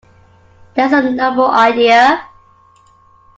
That's a novel idea.